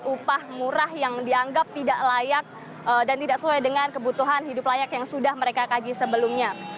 upah murah yang dianggap tidak layak dan tidak sesuai dengan kebutuhan hidup layak yang sudah mereka kaji sebelumnya